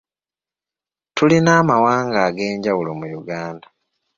Tulina amawanga ag'enjawulo mu Uganda.